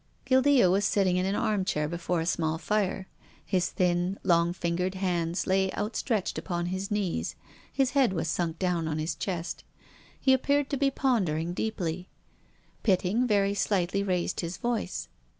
Guildca was sitting in an armchair, before a small fire. His thin, long fingered hands lay out stretched upon his knees, his head was sunk down on his chest. He appeared to be pondering deeply. Pitting very slightly raised his voice.